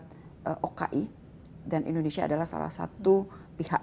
sidang darurat oki dan indonesia adalah salah satu pihak